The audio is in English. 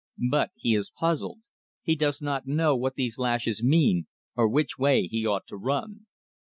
But he is puzzled; he does not know what these lashes mean, or which way he ought to run.